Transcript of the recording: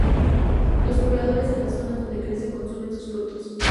Los pobladores de las zonas donde crece consumen sus frutos.